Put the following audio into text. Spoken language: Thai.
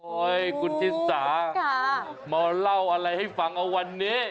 โอ๊ยคุณที่สามาเล่าอะไรให้ฟังวันนี้